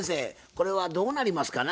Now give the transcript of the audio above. これはどうなりますかな？